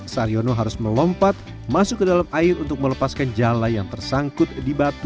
saryono harus melompat masuk ke dalam air untuk melepaskan jala yang tersangkut di batu